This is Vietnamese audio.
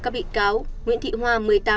các bị cao nguyễn thị hoa